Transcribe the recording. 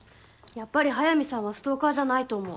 やっぱり速水さんはストーカーじゃないと思う。